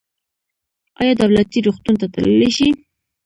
ایا دولتي روغتون ته تللی شئ؟